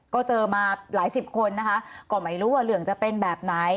ก็เจอมาหลายสิบคนนะคะก็ไม่รู้ว่าเรื่องจะเป็นแบบไหน